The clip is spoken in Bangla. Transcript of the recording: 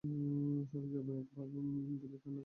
শহরে যাইবার পথে এক বার বুঝি রান্নাঘর না মাড়াইয়া গেলে চলে না?